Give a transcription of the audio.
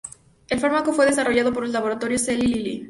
El fármaco fue desarrollado por los laboratorios Eli Lilly.